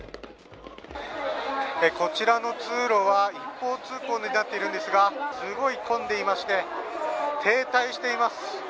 こちらの通路は一方通行になっているんですがすごい混んでいまして停滞しています。